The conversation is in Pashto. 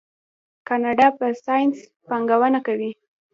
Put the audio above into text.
کاناډا په ساینس پانګونه کوي.